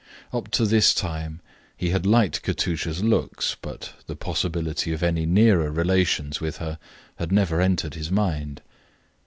Up to this time he had liked Katusha's looks, but the possibility of any nearer relations with her had never entered his mind.